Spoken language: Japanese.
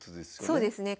そうですね。